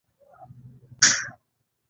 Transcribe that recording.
بحث او مکالمې ته لار ورکوي.